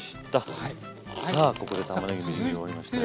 さあここでたまねぎのみじん切り終わりましたよ。